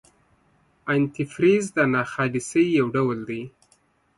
انتي فریز د ناخالصۍ یو ډول دی.